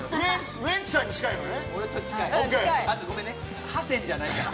ウエンツさんに近いのね？